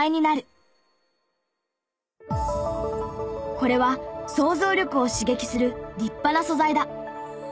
これは想像力を刺激する立派な素材だ。